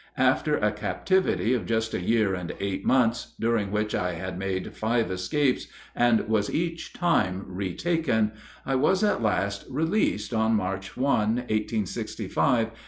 After a captivity of just a year and eight months, during which I had made five escapes and was each time retaken, I was at last released on March 1, 1865, at Wilmington, North Carolina.